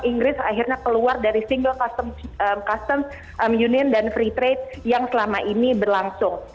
inggris akhirnya keluar dari single customs union dan free trade yang selama ini berlangsung